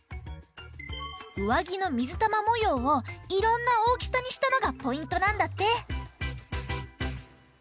うわぎのみずたまもようをいろんなおおきさにしたのがポイントなんだって！